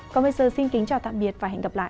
còn bây giờ xin kính chào tạm biệt và hẹn gặp lại